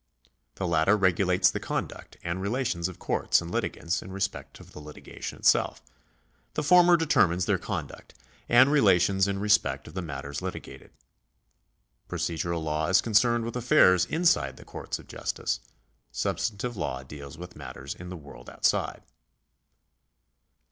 The latter regulates the conduct and rela tions of courts and litigants in respect of the litigation itself ; the former determines their conduct and relations in respect of the matters litigated. Procedural law is concerned with affairs inside the courts of justice ; substantive law deals with matters in the world outside.